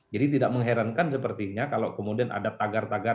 jadi tidak mengherankan sepertinya kalau kemudian ada tagar tagar